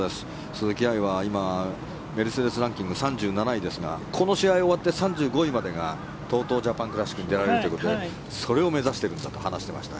鈴木愛は今メルセデスランキング３７位ですがこの試合終わって３５位までがＴＯＴＯジャパンクラシックに出られるということでそれを目指しているんだと話していました。